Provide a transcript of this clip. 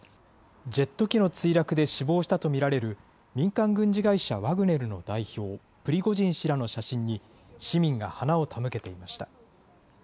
ジェット機の墜落で死亡したと見られる、民間軍事会社ワグネルの代表、プリゴジン氏らの写真に市民が花を手向けていました。